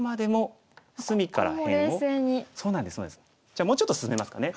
じゃあもうちょっと進めますかね。